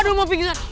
aduh mau pingsan